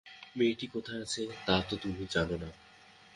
মেয়েটি কোথায় আছে, তা তো তুমি জান না।